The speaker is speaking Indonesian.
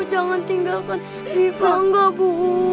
jangan tinggalkan di tangga bu